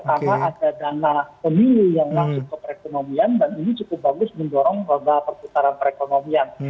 karena ada dana pemilu yang masuk ke perekonomian dan ini cukup bagus mendorong kembali ke perputaran perekonomian